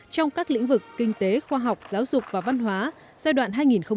trong các lĩnh vực kinh tế khoa học giáo dục và văn hóa giai đoạn hai nghìn một mươi sáu hai nghìn hai mươi